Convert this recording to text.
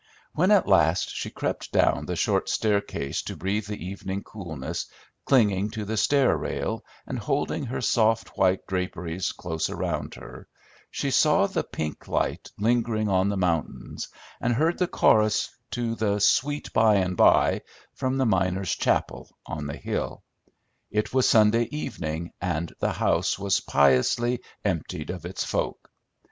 When, at last, she crept down the short staircase to breathe the evening coolness, clinging to the stair rail and holding her soft white draperies close around her, she saw the pink light lingering on the mountains, and heard the chorus to the "Sweet By and By" from the miners' chapel on the hill. It was Sunday evening, and the house was piously "emptied of its folk."